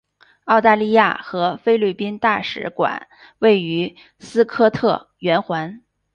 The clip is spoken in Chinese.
澳大利亚和菲律宾大使馆位于斯科特圆环。